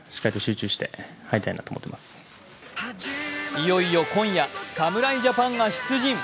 いよいよ今夜侍ジャパンが出陣。